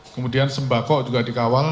kemudian sembako juga dikawal